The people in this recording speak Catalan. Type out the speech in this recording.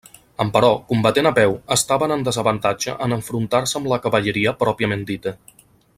Emperò, combatent a peu, estaven en desavantatge en enfrontar-se amb la cavalleria pròpiament dita.